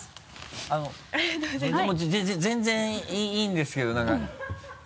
あの全然いいんですけど何か。